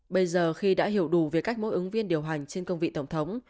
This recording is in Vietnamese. bây giờ khi đã hiểu đủ về cách mỗi ứng viên điều hành trên công vị tổng thống